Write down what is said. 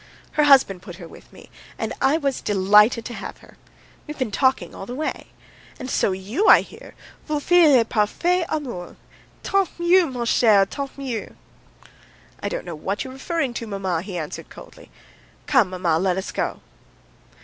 "Her husband put her with me, and I was delighted to have her. We've been talking all the way. And so you, I hear ... vous filez le parfait amour. Tant mieux, mon cher, tant mieux." "I don't know what you are referring to, maman," he answered coldly. "Come, maman, let us go."